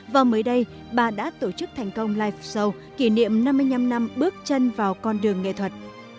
và mới đây bà đã tổ chức thành công live show kỷ niệm năm mươi năm năm bước chân vào con đường nghệ thuật